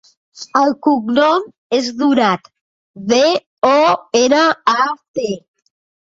El cognom és Donat: de, o, ena, a, te.